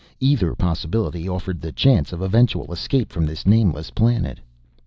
Either possibility offered the chance of eventual escape from this nameless planet.